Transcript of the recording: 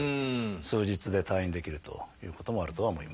数日で退院できるということもあるとは思います。